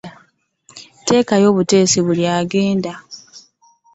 Teekayo buteesi buli agenda.